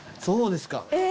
そうですか。